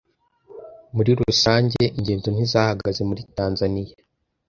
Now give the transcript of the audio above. muri rusange ingendo ntizahagaze muri tanzaniya